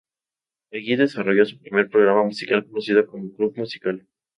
Allí desarrolló su primer programa musical, conocido como "Club Musical".